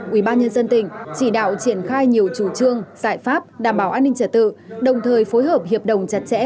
ubnd tỉnh chỉ đạo triển khai nhiều chủ trương giải pháp đảm bảo an ninh trả tự đồng thời phối hợp hiệp đồng chặt chẽ